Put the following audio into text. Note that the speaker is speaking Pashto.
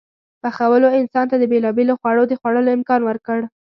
پخولو انسان ته د بېلابېلو خوړو د خوړلو امکان ورکړ.